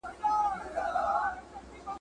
دولت به ژر له منځه ولاړ سي.